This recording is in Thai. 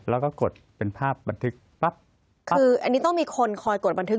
แล้วก็กดเป็นภาพบันทึกปั๊บคืออันนี้ต้องมีคนคอยกดบันทึก